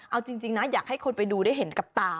เอาจริงนะอยากให้คนไปดูได้เห็นกับตา